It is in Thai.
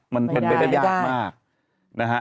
มันเป็นไปได้ยากมากนะฮะ